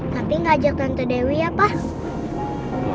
tapi gak ajak tante dewi ya pak